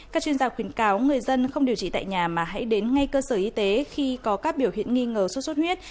các chuyên gia khuyến cáo người dân không điều trị tại nhà mà hãy đến ngay cơ sở y tế khi có các biểu hiện nghi ngờ sốt xuất huyết